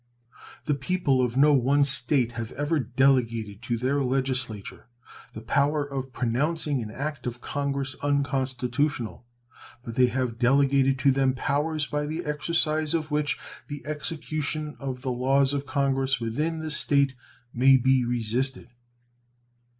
The people of no one State have ever delegated to their legislature the power of pronouncing an act of Congress unconstitutional, but they have delegated to them powers by the exercise of which the execution of the laws of Congress within the State may be resisted.